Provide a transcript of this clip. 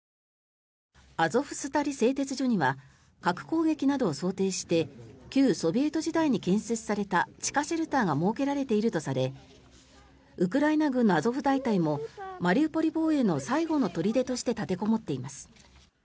アゾフスタリ製鉄所には核攻撃などを想定して旧ソビエト時代に建設された地下シェルターが設けられているとされウクライナ軍のアゾフ大隊もマリウポリ防衛の最後の砦として立てこもっています。